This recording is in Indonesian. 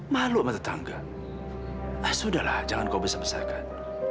maluk matahang sudahlah jangan kau besar besarkan